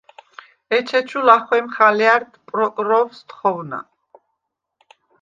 ეჩეჩუ ლახუ̂ემხ ალჲა̈რდ პროკროუ̂ს თხოუ̂ნა: